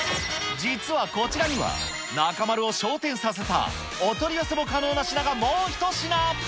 実はこちらには、中丸を昇天させたお取り寄せも可能な品がもう一品。